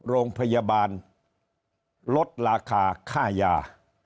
โรงพยาบาลลดราคาค่ายา